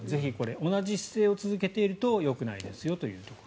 同じ姿勢を続けているとよくないですよというところ。